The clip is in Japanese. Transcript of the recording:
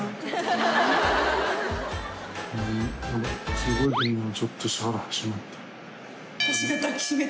すごいブルーはちょっとしたあらしまった。